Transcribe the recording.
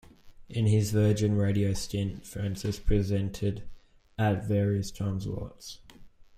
In his Virgin Radio stint, Francis presented at various time slots.